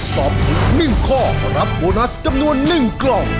ตอบถูก๑ข้อรับโบนัสจำนวน๑กล่อง